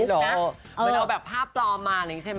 เหมือนเอาแบบภาพปลอมมาหนึ่งใช่ไหม